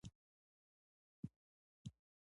د تقاضا ډېروالی په پرمختګ کې کلیدي رول لري.